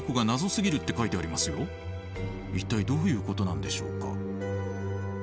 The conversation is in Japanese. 一体どういうことなんでしょうか？